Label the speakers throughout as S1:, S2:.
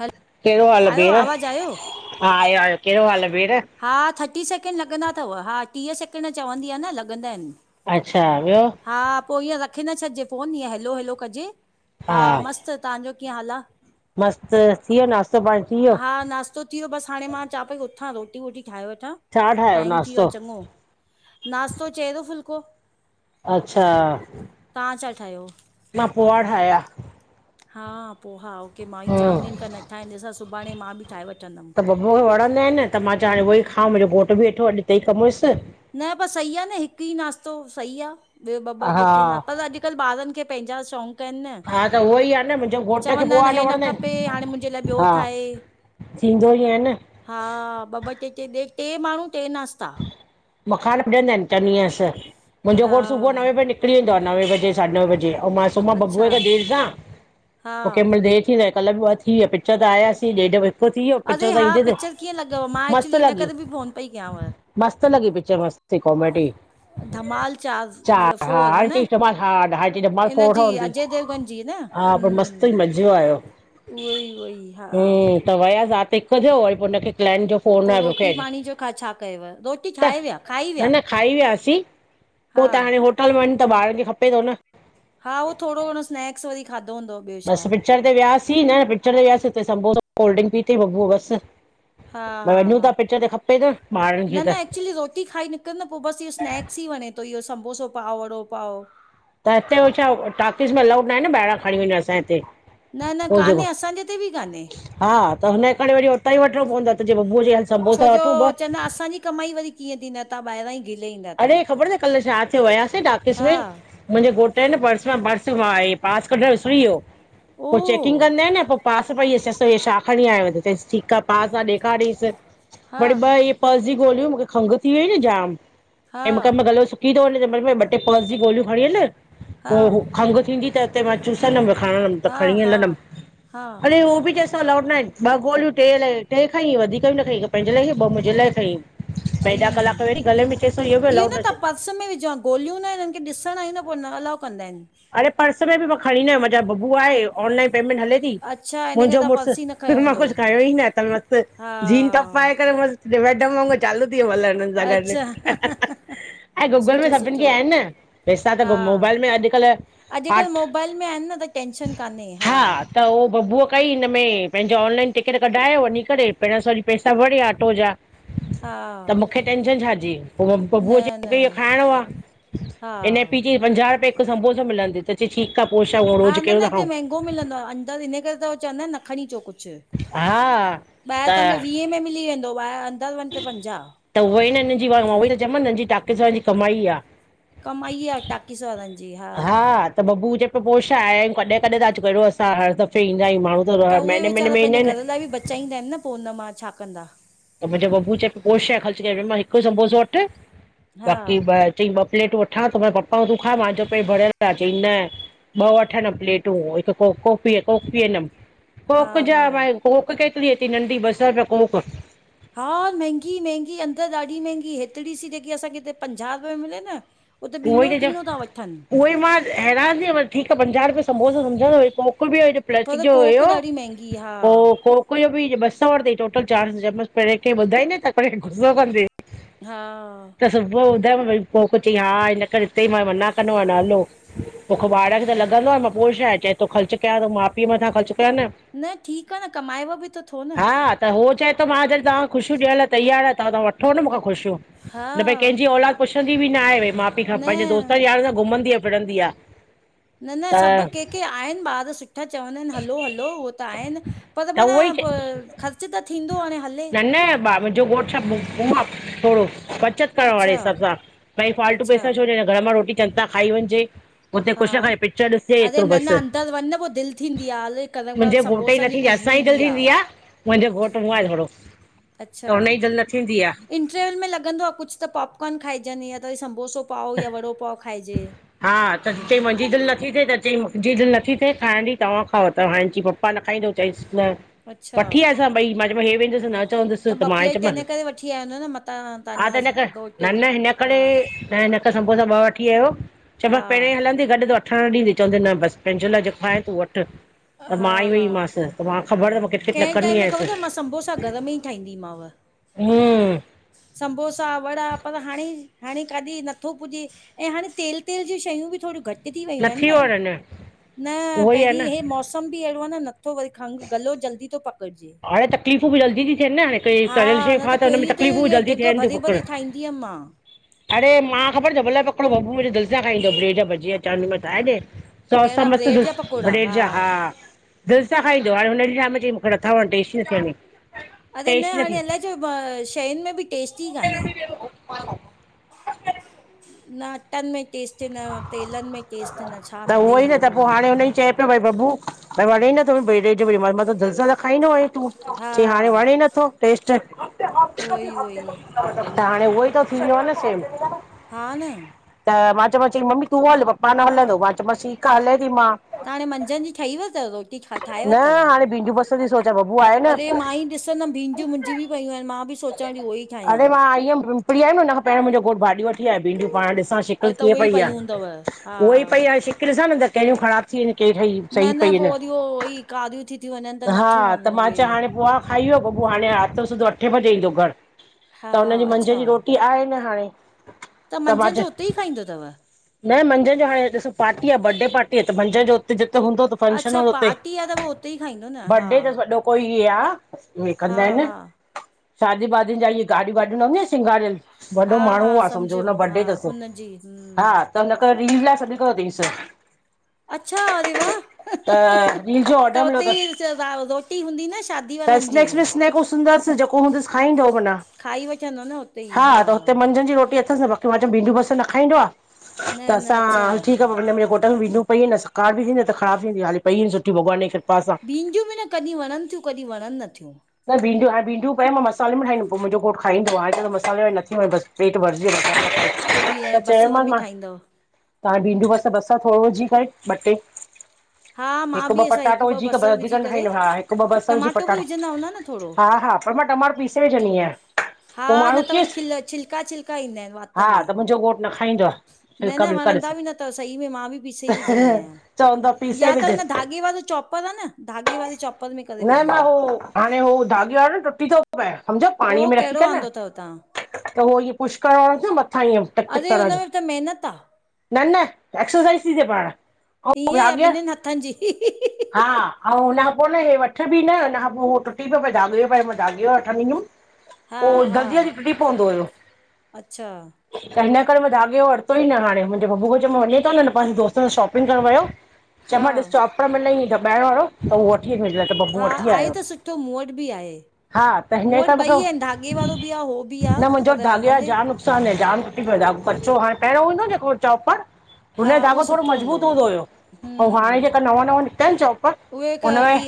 S1: हल
S2: केहड़ो हाल आ
S1: आयो
S2: भेण,
S1: आवाज़ आयो
S2: हा आहियो आहियो केहड़ो हाल आ भेण?
S1: हा थर्टी सैकिेंड लॻंदा अथव, हा टीह सैकिणड चवंदी आहे न लॻंदा आहिनि।
S2: अच्छा ॿियो?
S1: हा पोइ ईअं रखे न छॾिजे फ़ोन, ईअं हैेलो हैेलो कजे, हा मस्तु, तव्हांजो कीअं हाल आ?
S2: मस्तु, थी वियो नाश्तो पाणी, थी वियो?
S1: नस्तो थी वियो, बसि हाणे मां चां पई उथां, रोटी वोटी ठाहे वठां,
S2: छा ठाहियो
S1: टाइम थी वियो
S2: नाश्तो
S1: आहे चङो। नास्तो चेहङो फुल्को।
S2: अच्छा।
S1: तव्हां छा ठाहियो?
S2: मां पोआ ठाहिया।
S1: हा पोहा ओके मां ई जामु
S2: हम्म
S1: ॾींहंनि खां न ठाया आहिन ॾिसां सुभाणे मां बि ठाहे वठंदमि।
S2: बबू खे वणंदा आहिनि न, त मां चां उहो ई खां मुंहिंजो घोट बि वेदो हो अॼु हितेईं कम हुयस।
S1: न पर सही आ न हिकु ई नाश्तो, सही आ, ॿियो ॿ ॿ टे
S2: हा
S1: टे नास्ता पर अॼु अॼुकल ॿारनि खे पंहिंजा शौक़ तन
S2: हा त उहो ई आहे न मुंहिंजो घोट खे
S1: चवंदा
S2: पोहा
S1: आहिनि हे न
S2: वणंदा
S1: खपे
S2: आहिनि
S1: हाणे मुंहिंजे लाइ ॿियो
S2: हा
S1: ठाहे
S2: थींदो ई आहे न।
S1: हा ॿ ॿ टे टे, टे माण्हू टे नास्ता
S2: माखा न पूजंदा आहिनि, चवंदीआसि मुंहिंजो
S1: हा
S2: घोट सुबुह नवे बजे निक निकिरी वेंदो आहे नवे बजे साढी नवे बजे, आऊं मां सुमां
S1: अच्छा
S2: बबूअ सां देरि सां,
S1: हा
S2: पो कहिं महिल देरि थी कल्ह बि ॿ थी विया, पिचर त आयासीं ॾेढ वजे
S1: अरे हा, पिचर कीअं लॻव? मां एक्चुली हिन करे बि फ़ोन पई कयांव।
S2: मस्त लॻी पिकचर मस्त कॉमेडी।
S1: धमाल
S2: चार हा
S1: फोर
S2: हर
S1: न
S2: चज टमाल हा हर चज टमाल
S1: इन
S2: फट
S1: जी
S2: हदी।
S1: अजय देवगन जी न
S2: हा पर मस्त
S1: हम्म
S2: हुई मज़ो आहियो।
S1: उहो ई उहोई हा।
S2: त वियास हिक थियो वरी पो हुनखे क्लाइंट जो फोन
S1: पो
S2: आयो मूंखे
S1: रोटी पाणी जो छा-छा कयव रोटी
S2: त
S1: ठाहे विया खाई विया
S2: न-न खाई वियासीं पो
S1: हा
S2: त हाणे होटल वञ त ॿारन खे खपे थो न
S1: हा उहो थोरो घणो स्नैक्स वरी खाधो हूंदो। ॿियो
S2: बस
S1: छा
S2: पिचर ते वियासीं न पि्चर ते वियासीं हुते सबो कोल्ड्रिंक पीथई बबू बस
S1: हा
S2: भई
S1: हा
S2: वञू
S1: हा
S2: था पिचर त खपे त म ॿारन खे त
S1: रोट खाई न न पो बस इहो स्नैक्स ई वणे थो इहो समबोसो पावओ वड़ो पावओ
S2: त हिते हो छा टाकीस में लाडा आहे ॿाहिरां खणी वञूं असजे हिते
S1: न-न
S2: हो जेको
S1: कान्हे असांजे हिते बि कान्हे
S2: हा त हुनजे करे वरी उतां ई वठणो पवंदो त जे बबूअ जे ह सबोसा वठूं।
S1: न असांजी कमाई वरी कीअं थी न तहां ॿाहिरां ई घिले ईंदा त
S2: अड़े ख़बर थई कल छा थियो वियासीं डाकस
S1: हा
S2: में मुंजे घोट हे न पर्स मां पर्स पासपॉट कड विसरी वियो
S1: ओ
S2: पो चैकिंग कंदा आहिन न पो पास पई अचेस इ छा खणी आयो चईसि ठीक आ पास त ॾेखारियंस
S1: हा
S2: वरी ॿ ईहे फर्स जी ॻोल्हियूं मुखे खंघ थी वई न जाम
S1: हा
S2: कंहिं कंहिं गलो सुकी थो वञे हिनंहिं मल ॿ ट्रे पर्स जी गोलियूं खणी हल
S1: हा
S2: पो खंघ थींदी त े मां चुसंदमि खणंदम त
S1: हा
S2: खणी
S1: हा
S2: हलंदम
S1: हा
S2: अड़े उहो बि त अल्लाउॾ न आहे ब गोलियूं टे लइ टे खाईं वधीक ई न खाईं पंहिंजे लाइ ॿ मुंजे लाइ खाईं। भई
S1: अई
S2: ॾह कलाक वरी गले में चएसि बि
S1: इहो
S2: अलाउड
S1: न
S2: अचे
S1: तव्हां पर्स में विझो गोलियूं न आहिन हिनन खे ॾिसण ईंदा त पो न अलाउ कंदा आहिन।
S2: अरे पर्स में बि मां खणी न आहियां मुंजा बबु आहे ऑनलाइन पेमेंट हले थी।
S1: अच्छा हिन करे
S2: मुंजो
S1: तव्हां
S2: मुर्स
S1: पर्स ई न खयो
S2: मां
S1: हूंदो
S2: कुछ खायो ई न थल मस्त
S1: हा
S2: जीन टॉप पाए करे मस्त मैडम वांग चालू थी वमल हुनन सां गॾ।
S1: अच्छा
S2: ऐं गूगल में
S1: सुठो
S2: सभिन
S1: सुठो
S2: खे आहिन न पैसा त मोबाइल में अॼकल।
S1: अॼकल मोबाइल में आहिन न त टेंशन कान्हे हा
S2: त उह बबू कई हिनमें पंहिंजो ऑनलाइन टिकट कढायो वञी करे पहिरो सॼी पैसा भरिया ऑटो जा
S1: हा
S2: टैंशन छा जी,
S1: न
S2: ब्बू चय
S1: न
S2: पयो खएंनो आ
S1: हा
S2: पंजाह रुपए हिक संबोसो मिलंदी त चय ठीक आ पो छाअ रोज़ केड़ो त खांउ?
S1: अॻो मिलंदो आ अंदर हिन करे त हू चवंदा आहिन न खणी अच
S2: हा
S1: कुछ।
S2: त
S1: ॿाहिर तव्हांखे वीह में मिली वेंदो ॿाहिर अंदर वञ त पंजाह।
S2: त उहो ई न हिनन जी उहो ई त चयोमांन हिनन जी तोकिज़ वार जी कमाई आ।
S1: कमाई आ टॉकिज़ वारन जी, हा
S2: त बबू चए प पो छा हे कॾे - कॾे त अच कहिड़ो असां हर दफ़े ईंदा आहियूं माण्हू। त महीने महीेने में ईंदा आहिन न।
S1: चाईंदा आहिन न पो हुनन मां छा कंदा?
S2: त मुंजो बबू चए प पो छा हे, ख़र्च करे मां हिक सम्बोसो वठ
S1: हा
S2: बाक़ी ॿ चई ॿ प्लेटूं वठां त मां पप्पा तूं खा मा चयो पेट भरयल आ, चईं न ॿ वठनदम प्लेटूं हिक कोफ़ीं काफी पियंदम।
S1: हा
S2: कोक जा
S1: हा
S2: भाई कोक केतरी थी नंढी ॿसर रुपया कोक
S1: हा महंगी महंगी अंदर ॾाढी महंगी हेतरि सी जेकी असांखे हिते पंजाह रुपे मिले न त
S2: उहो ई
S1: बीणो
S2: चवां
S1: तीणो त वठे।
S2: उहो ई मां हैरान थी वियमि ठीकु आ पंजाहु रुपये सबोसो समुझो तव मोकिलि बि आई जो पलच जो हुयो।
S1: ईहा
S2: पो कोक जो बि ॿ सौ वरतई टोटल चार्ज चयमांसि पीॾे खे ॿुधाईंदी त पीॾे गुसो कंदीय।
S1: हा
S2: त सुबुह ॿुधायमि भई पो कुझुई हा हिन करे हिते ई मां मना कंदो आहियां ना हलो। तोखा भाड़ा बि त लॻंदो आ, मां पो छाहे चए तो ख़र्चु कया तो माउ पीउ मथां ख़र्चु कया न।
S1: न ठीकु आ न कमायव बि त थो न।
S2: हा त हो चए तो मां जॾहिं तां ख़ुशियूं ॾियण लाइ तयारु आहियां त तवां वठो न मूंखा ख़ुशियूं।
S1: हा
S2: न भई कंहिंजी औलाद पुछंदी बि न आहे, भई माउ पीउ खा
S1: न
S2: पंहिंजे दोस्त यार सां घुमंदी आ फिरंदी आ।
S1: न न सभु के के आहिनि ॿार सुठा चवंदा आहिनि हलो हलो उहो त आहिनि। पर
S2: त
S1: माना
S2: उहो ई
S1: ख़र्च त थींदो हाणे हले।
S2: न न ब मुंहिंजो घोट छा ॿुग्गु आ, थोडो बचत करणु वारे
S1: अच्छा
S2: हिसाबु सां, भई फाल्टू
S1: अच्छा
S2: पैसा छो ॾेअणा। घर मां रोटी चङी तरा खाई वञिजे। हुते
S1: हा
S2: कुझु न खाये पिचर ॾिसे
S1: अरे
S2: एतिरो
S1: न न
S2: बसि,
S1: अंदरि वञ न पोइ दिलि थींदी आहे हले गरम गरम
S2: मुंहिंजे घोट ई
S1: संबोसनि जी
S2: नथी [unintelligible]
S1: ख़ुशबू
S2: साईं जल्दी ईंदी आ,
S1: आहे
S2: मुंहिंजो घोट हूं आहे थोडो।
S1: अच्छा, इंटरवेल में लॻंदो आ कुझु त पॉपकॉर्न खाइजनि या त वरी समबोसो पाओ या बड़ो पाव खाइजे।
S2: हा त चई मुंहिंजी दिलि नथी थे त चई मुंहिंजी दिलि नथी थे खाइण जी तव्हां खांओ त हाण चई पपा न खाईंदो। चईंसि न,
S1: अच्छा
S2: वठी आसां भई मां चयो मां हे वेंदुसि न चवंदुसि। त
S1: ॿ
S2: मां ई
S1: प्लेट हिन
S2: चयोमांसि,
S1: करे वठी आया हूंदव न मतां
S2: हा
S1: तव्हांजो
S2: त न करु
S1: हसबैंड घोटु
S2: न न
S1: हा
S2: हिनकरे त हिनखां समबोसा ॿ वठी आयो, च
S1: हा
S2: मांसि पहिरें ई हलंदी। गॾु त वठणु ॾींदी चवंदी न बसि पंहिंजे लाइ जेको आहे तूं वठ। त
S1: हा
S2: मां ई
S1: हा
S2: वईमासि त मां ख़बर तव मां किटकिट न
S1: कंहिं टाइम
S2: करंनि
S1: में ख़बर
S2: आयसि।
S1: अथव मां संबोसा घर में ई
S2: हूंम
S1: समबोसा वड़ा पर हाणेई हाणे खादी नथो पुॼे ऐं हाणे तेल तेल जीूं शयूं बि थोडी घटि तीथी वयूं आहिनि
S2: नथी
S1: न,
S2: वण थी वियो अञा
S1: न
S2: उहो ई आहे
S1: पहिंरी
S2: न
S1: हे मौस मौसम बि अहिड़ो आ नथो वरी खंघ गलो जल्दी तो पकड़जे।
S2: हाणे तकलीफ़ूं बि जल्दी ती थियनि न हाणे, कई तरियल शेयूं
S1: न
S2: खा त हुन में तकलीफ़ूं बि जल्दी थियनि थूं पकड़।
S1: ई अम्मा
S2: अरे मां ख़बर तव भले पकोड़ो बबू मुंहिंजे दिलि सां खाईंदो, ब्रेड जा भॼीया चवदीमांसि ठाहे ॾे। सौस सां
S1: कहिड़ा
S2: मस्त
S1: ब्रेड जा
S2: ॾिसि,
S1: पकोड़ा
S2: ब्रेड जा हा। दिलि सां खाईंदो, हाणे हुने ॾींहुं शाम चई मूंखे नथा वण टेस्ट ही न थी वञे।
S1: अरे न हाणे अलाए छो शयुनि में बि टेस्ट ही काने न अट्टनि में टेस्ट न, तेलन में टेस्ट न, छा मिड़ेई हलणो आ।
S2: ठीकु आ भई बबू, त वणेई नथो ब्रेड जो त मां चयोमांसि दिल सा त खाईंदो हुऐ तूं।
S1: हा
S2: चई हाणे वणे ही नथो टेस्ट।
S1: उहोई उहोई
S2: त हाणे उहोई तो थींदो न सेम।
S1: हा न।
S2: त मां चयमां, चई मम्मी तूं हल पप्पा न हलंदो, मां चयोमांसि ठीकु आ हले ती मां।
S1: त हाणे मंझंन जी ठही वइ तव, रोटी ठाहे वरतवि?
S2: ही बि बस् ई पई सोचां बबु आयलु
S1: ई ॾिसंदमि
S2: आहे,
S1: भींडियूं मुंहिंजी बि पयूं आहिनि मां बि सोचां थी उहो ई ठाहियां।
S2: अरे मां आई हुयमि फ्री आहे न, हुन खां पहिरों मुंहिंजो घोटु भाॼी वठी आयो, भींडियूं पाण ॾिसां
S1: अ
S2: शिकिल
S1: त
S2: कीअं
S1: उहे ई
S2: पई आहे?
S1: पयूं हूंदव हा।
S2: उहोई पई आहे। शिकिल ॾिसां न त कहिड़ियूं ख़राब थी वयूं आहिनि। कहिड़ी सही पई आहिनि अञां
S1: ईयो उहोई कारियूं थी थियूं वञनि त
S2: हा
S1: नथियूं
S2: त
S1: वणनि
S2: मां
S1: उहे।
S2: चयो हाणे पोहा खाई वियो बबू, हाणे राति जो सिधो अठें बजे ईंदो घरु।
S1: हा
S2: त हुनजी मंझन
S1: अच्छा
S2: जी रोटी आहे न हाणे
S1: त
S2: मां
S1: मंझंन जो
S2: चयो
S1: उते ई खाईंदो अथव?
S2: न मंझंदि जो हाणे ॾिसु, पार्टी आहे बडे पार्टी आहे त मंझदि जो हुते जिते हूंदो
S1: अच्छा पार्टी आहे, त उह उते ई खाईंदो न। हा
S2: बर्डे तसि वॾो कोई आह, ऊहे
S1: हा
S2: कंदा आहिनि।
S1: हा
S2: शादी- वादिनि जा, उसे गाड़ी वाड़ी न हुदन [unintelligible] सींगारियलु,
S1: हा
S2: वॾो माण्हू
S1: हा
S2: आह, सम्झो हुन जो
S1: समझियमि हा
S2: बडे अथसि।
S1: उनजी हम्म
S2: त हुन करे रील लाइ, सॾु कयो तईं सि
S1: अच्छा अरे वाह,
S2: त रील जो
S1: त
S2: ऑडर मिलियो
S1: हुते ई
S2: अथसि
S1: रोटी हूंदी न शादी
S2: त
S1: वारनि जी
S2: स्नैक्स- विस्नैक्स हूदासि जेको हूंदसि खाईंदो भला [unintelligible]
S1: खाई वठंदो न उते ई
S2: हा त हुते मंझंदि जी रोटी अ भंन ठी भींडियूं- बसर न खाईंदो आह,
S1: न
S2: त
S1: न
S2: असां
S1: अच्छा
S2: ठीक आ मुहिंजु घोट [unintelligible] त भींडयूं पयूं आहिनि न सकारती थींदियूं। न त ख़राबु थींदियूं हाली पई हुजनि। जबकि भॻवान जी कृपा सां [unintelligible]
S1: भींंडियूं बि न कॾहिं वणनि थियूं, कॾहिं वणनि न थियूं
S2: त भींडियु हाण भिडियूं पयूं आहिनि, त मां मसाले में ठाईंदमु, पो मुंहिंजो घोटु खाईंदो आहे त मसाले में नथी वणे बसि पेट भरिजी वियो बसि।
S1: पोइ बि ऐं
S2: त चयो
S1: बसर में
S2: मांसि मां
S1: ठाहींदव
S2: [unintelligible] त भींंडूं बस बसर थोरो विझी करे, ॿ टे
S1: हा मां
S2: हिकु ॿ
S1: बि असां हिकु
S2: पटाटो
S1: ॿ
S2: विझी करे
S1: बसर विझी करे
S2: हिकु ॿ बसरु विझी
S1: टमाटो बि
S2: पटाटा,
S1: विझंदा हूंदा न थोरो
S2: हा- हा पर मां टमाटो पीसे विझंदी आहियां।
S1: हा
S2: पोइ
S1: न
S2: माण्हू
S1: त वरी
S2: चयसि
S1: खिल छिलका- छिलका ईंदा आहिनि, वात
S2: हा
S1: त में,
S2: मुंहिंजो घोटु न खाईंदो आ
S1: न
S2: छिलका
S1: न
S2: विलका ॾिस
S1: वणंदा बि न अथव सही में, मां बि पीसे ई विझंदी आहियां।
S2: चवंद
S1: या त हुन धाॻे वारी चॉपर आहे न, धाॻे वारी चॉप
S2: न - न हो हाणे हो, धागे वारो न टुटी थो पए, सम्झो
S1: पो
S2: पाणीअ में रखी
S1: कहिड़ो
S2: करे न
S1: वांदो अथव तव्हां
S2: त उहो इह पुष करण वारो जो मथां इएं, टक- टक
S1: अरे हुन
S2: करण जो
S1: में त महिनत आ।
S2: न न, एक्सरसाइज़ थी थिए पाण। ऐं
S1: ईहयें
S2: धाॻे
S1: ॿिन्हिनि हथनि जी।
S2: हा ऐं हुनखां पोइ न, हे वठि बि न हुनखां पोइ टुटी पए धाॻो पए [unintelligible] दाॻो वठंदीमि,
S1: हा
S2: पोइ
S1: हा
S2: जल्दी- जल्दी टुटी पवंदो हुयो।
S1: अच्छा
S2: [unintelligible] त हिन करेे मां धाॻे वरतोई न हाणे, मुंहिंजे बबूअ खे चयोमांसि हले थो न, पंहिंजे दोस्तनि सां शॉपिंग करणु वयो।
S1: हा
S2: चइमास चापर मिलई दॿाइण वारो, त उहो वठी अ [unintelligible]
S1: हा आहे त सुठो, मूं वटि बि आहे।
S2: हा त
S1: मूं
S2: हिन करे
S1: वटि
S2: मूंखे
S1: ॿई आहिनि, धागे वारो बि आहे हो बि आहे,
S2: मुंहिंजो
S1: पर
S2: धाॻे जा
S1: हले
S2: जाम चे अ न जाम टुटी पऐ, कचो हाणे, पहिरियों हो न जे को चॉपर
S1: हा
S2: हुनजो
S1: उहो
S2: धाॻो थोड़ो
S1: सुठो
S2: मज़बूत हूंदो हुयो। ऐं हाणे
S1: हम्म
S2: जेका नवां- नवां निकता आहिन चॉप हुन में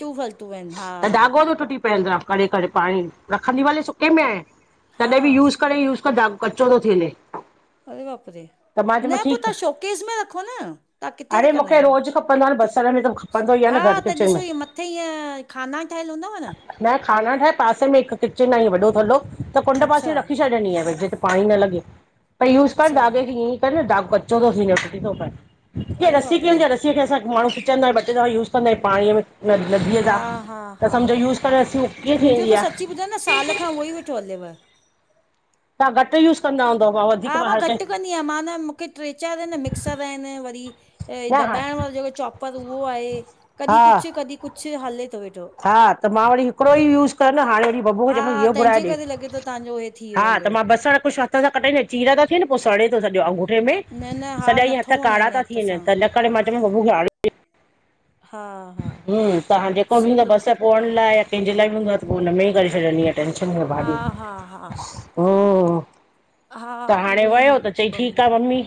S1: तूं ब स तू व [unintelligible]
S2: त धाॻो त टुटी पवंदो आहे, करे- करे पाणी, रखंदी भले सुके में आहियां। [unintelligible]
S1: हा
S2: तॾहिं बि यूज करे यूज़ कर, धाॻो कचो तो थी वञे।
S1: अरे बाप रे
S2: त मां
S1: [unintelligible] न
S2: चयोमांसि
S1: पो तव्हां
S2: ठीकु
S1: शोकेज़ में रखो न, तव्हां किथे
S2: अड़े
S1: रखंदा
S2: मूंखे
S1: आहियो?
S2: रोज़ खपंदो आ न बसर में त खपंदो ई आ न
S1: हा
S2: घर
S1: त
S2: किचन में
S1: ॾिसो इहे मथे ईअं खाना ठहियलु हूंदव न,
S2: न खाना ठाहे पासे में हिकु किचन आ इयं वॾो थलो हिक कुंड
S1: अच्छा
S2: पासे रखी छॾंदी आं भई जिते पाणी न लॻे भई यूज़ करनि
S1: अच्छा
S2: ता अॻे बि ईयंइ न न धागो कच्चो तो थी वञें टूटी तो पए, जिअं
S1: अरे
S2: रस्सी
S1: बाप
S2: किअं
S1: रे
S2: हूंदी आ रस्सी जिअं कि असां माण्हूं खिचंदाइन ॿ टे दफ़ा यूस कंदा आहियूं पाणीअ में न नदीअ
S1: हा
S2: सां
S1: हा
S2: त समझो यूस करेणि उ कीअं थी वेंदी आ,
S1: मुंहिजो न साल खां उहो ई वेठो हलेव,
S2: तव्हां घट यूस कंदा हूंदव मां
S1: हा
S2: वधीक मां हर कें
S1: घटि कंदी आं मान मूंखे ट्रे चार इन न मिक्सर आहिनि वरी ए
S2: न हा
S1: दॿाइण वारो जेको चॉपर उहो आहे, कॾहिं
S2: हा
S1: कुछु कॾहिं कुछु हले तो वेठो
S2: हा त मां वरी हिकिड़ो ई यूस कयो न, हाणे वरी बब्बू
S1: हा
S2: जेको इहो घुराए
S1: तंहिंजे
S2: ॾे,
S1: करे लॻे थो तव्हांजो हे थी
S2: हा
S1: वियो
S2: त
S1: हूंदो
S2: मां बसर कुछु हथ सां कटेईं चीर ता थियनि पो सड़े तो सॼो अंगूठो कें
S1: न न
S2: में
S1: हा
S2: सॼा ईअं हथ
S1: नथो वणे
S2: कारा
S1: हाणे
S2: ता
S1: हथ
S2: थी वञनि
S1: सां
S2: त हिन करे मां चयमि बबू खे आञें ॾे
S1: हा हा
S2: हम्म--त हाण जेको बि हूंदो आ
S1: चलो
S2: बसर पोअण लाइ या कंहिंजे लाइ बि हूंदो आहे त पो हुन में ई करे छॾंदी आहियां। टेशन में
S1: हा
S2: भाॼी,
S1: हा हा
S2: हम्म त
S1: हा
S2: हाणे
S1: उहो ई
S2: वियो त
S1: बाक़ी
S2: चई
S1: ॿ
S2: ठीकु आ
S1: मिंट हा
S2: मम्मी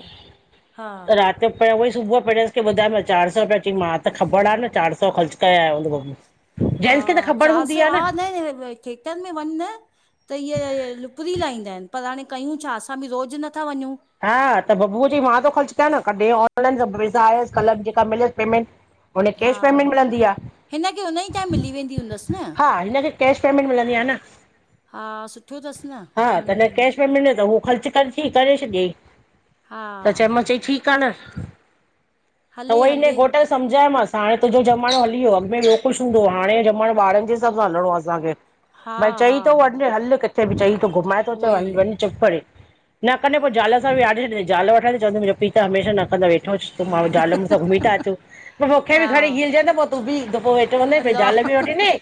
S1: हा
S2: रात त पहिरे उहोई सुबुह पिड़सि खे ॿुधाये पियो चार सौ रुपया चईं मां त ख़बर आ न चार सौ ख़र्च करे आयो हूंदो।
S1: हा
S2: जेंट्स खे त ख़बर
S1: चार
S2: हूंदी
S1: सौ
S2: आहे
S1: हा न थेएटर में वञ न त इअ लुपरी लाहींदा आहिंन, पर हाणे कयूं छा असां बि रोज़ नथा वञूं।
S2: हा त बबूअ चईं मां तो ख़र्चु कयां न कॾहिं ऑनलाइन त पैसा आयसि, कल्ह जेका मिलियसि पेमेंट हुनखे
S1: हा
S2: कैश पेमेंट मिलंदी आ,
S1: हिनखे हुन ई टाइम मिली वेंदी हूंदसि न
S2: हा हिन खे कैश पेमेंट मिलंदी आ न,
S1: हा सुठो तसि न हं
S2: मिले त हू ख़र्च ख़र्ची करे छॾियईं
S1: हा
S2: त चयमांसि चईं ठीक आ न, त
S1: हले
S2: ऊहोइ हिनजे
S1: हले
S2: गोट समझायोमांसि हाणे तुंहिंजो ज़मानो हली वियो अॻिमें ॿियो कुछु हूंदो हो हाणे ज़मानो ॿारन जे हिसाब सां हलणो आ असांखे।
S1: हा
S2: भई चई
S1: हा
S2: तो वञ हल किथे बि चई तो घुमाए तो
S1: उहो
S2: अचां
S1: ई
S2: हल वञ चुप करे न कंदे पो ज़ाल सां बि आारडे छॾी ज़ाल वठंदे चवंद तुहिंजो पीअ त हमेशा न कंदो वेठो हुज, त माणू ज़ाल मुुडस घुमी ता अचो। पो तोखे बि
S1: हा
S2: खणी गीलजें त पो तूं बि त पो वेठो हूंदे पेंजी
S1: अलाह
S2: जाल बि वठीदें,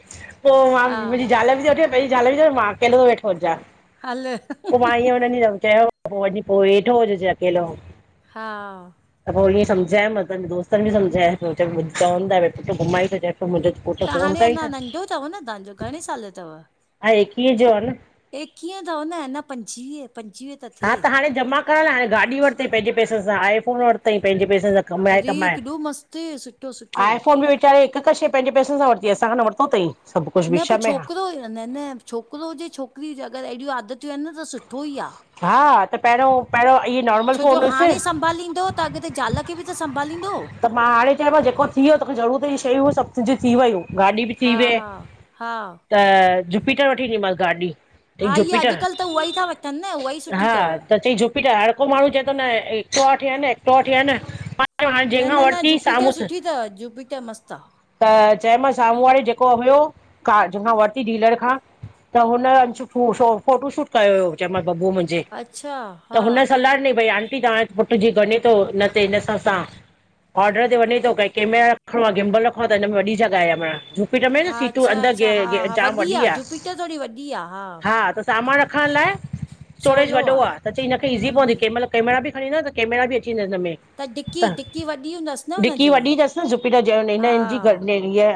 S2: पो मां
S1: हा
S2: मुंहिंजी ज़ाल बि त वठी पहिंजे ज़ाल खे चेंजें मां अकेलो तो वेठो हुजां,
S1: हल
S2: पो मां इअं हुन ॾींहुं चयो पो वञी पो वेठो हुजजें अकेलो,
S1: हा
S2: त पो ईअं समझायो मतां दोस्तान खे [unintelligible] सामझायो चवंदा घुमाई थो अच त मुंहिंजे त पट फोन [unintelligible] कई थ
S1: तव न तव्हांजो घणे साल जो तव?
S2: हा एकवीहं जो आ न।
S1: एकवीअ जो तव न अञा पंजवीह पंजवीह
S2: हा त हाणे जमा करन हाणे गाॾी वरितईं पंहिंजे पैसन सां, आई फ़ोन वरितईं पंहिंजे पैसन सां, कमाए
S1: अरे
S2: कमाए!
S1: केॾो मस्तु सुठो सुठो
S2: आईफ़ोन बि वी चाहे हिकु-हिकु शइ पंहिंजेै पैसनि सां वरती आ, असांखा न वरतो तईं।
S1: न पोइ छोकिरो न-न छोकिरो हुजे, छोकिरी हुजे अगरि अहिॾियूं आदतियूं आहिनि न त सुठो ई आ।
S2: हा त पहिरों पहिरियों इएं नॉर्मल फ़ोन हुयसि
S1: बलींदो त अॻिते ज़ाल खे बि त संभालींदो।
S2: त मां हाणे चयोमसि जेको थी वियो तोखे ज़रूरत जी शयूं सभुिु तुंजी थी वयूं। गाॾी बि थी
S1: हा
S2: वये
S1: हा हा
S2: त जुपीटर वठी ईंनीमांसि गाॾी। चईं
S1: हा इहा
S2: जुपिटर,
S1: अॼुकल्ह त उहा ई था वठनि न उहा ई सुठी
S2: हा
S1: अथव
S2: त चईं जु हर को माण्हू चए थो न एक्टिवा वठी आ न एक्टिवा वठी आ न
S1: न
S2: जंहिंखां
S1: न न
S2: वरिती
S1: जूपीटर
S2: साम्हूंसि
S1: सुठी अथव, जुूपीटर मस्तु आ।
S2: त चयमांस साम्हूं वारे जेको हुयो कार जंहिंखां वरती डीलर खां त हुन फोटो शूट कयो हुयो चयमास बबू मुंहिंज जे,
S1: अच्छा
S2: त
S1: हा
S2: हुन सलाह ॾिनी आंटी तहां पुट जी खणे थो न ते हिनसा असां ऑर्डर ते वञे तो कै केमेरा रखणो आ गिमबल रख हो त हिनमे में वॾी जॻह आ पाण। हिन में न
S1: हा
S2: सीटूं,
S1: अच्छा अच्छा हा
S2: अंदरि
S1: हा
S2: जाम वॾी
S1: आहे
S2: आ
S1: जुपिटर थोरी वॾी आहे
S2: हा त सामानु रखण लाइ स्टोरेज
S1: सवलो
S2: वॾो
S1: आहे
S2: आ त चई हिनखे ईज़ी पवंदी
S1: हम्म
S2: केंह महिल कैमरा खणीं वेंदा न त कैमर बि अची वेंदा हिन में।
S1: डिकी
S2: त
S1: डिकी वॾी हूंदसि न
S2: डिकी
S1: हुनजी
S2: वॾी अथसि न जुपीटर जे हिन जी गरेरी आ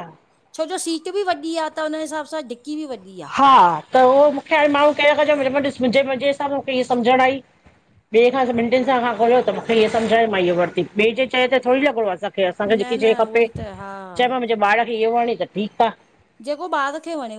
S1: छो जो सीट बि वॾी आ त हुन हिसाब सां ढिकी बि वॾी आ।
S2: हा त उहो मुखे हाणे माण्हू कहिड़ क ॾिस मुहिंजे मुहिंजे सामू कीअं सम्झण आई। ॿिए खां ॿनि सां खां खोलियो त मुखे इह सम्झण मां इह वरिती ॿिए जे चए ते थोरी लॻिणो आ सभु की असांखे
S1: आहे न
S2: जेकी
S1: न
S2: शइ
S1: उहो
S2: खपे
S1: ई त हा
S2: चयन मा मुंहिंजे ॿार खे इह वणी त ठीक आ।
S1: जेको ॿार खे वणे।